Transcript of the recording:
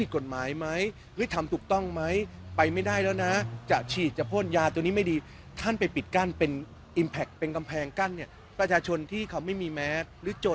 เขากลัวไปหมด